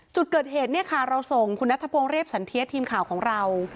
จุดเกิดเหตุเนี่ยค่ะเราส่งคุณนัทพงศ์เรียบสันเทียดทีมข่าวของเรา